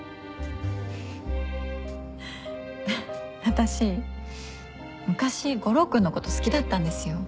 私昔悟郎君のこと好きだったんですよ。